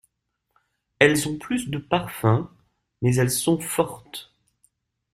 Elles ont plus de parfum, mais elles sont fortes.